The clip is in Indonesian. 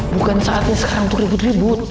bukan saatnya sekarang untuk ribut ribut